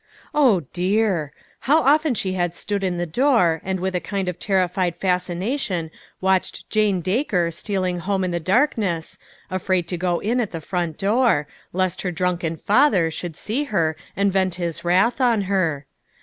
Oh, dear ! how often she had stood in the door, and with a kind of terrified fascination watched Jane Daker stealing home in the darkness, afraid to go in at the front door, lest her drunken father should see her and vent his wrath on her.